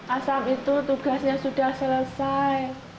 asam itu tugasnya sudah selesai